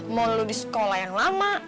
mau lu di sekolah yang lama